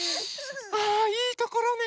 あいいところね